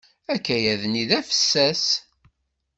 Akayad-nni d afessas.